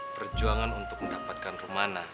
perjuangan untuk mendapatkan rumah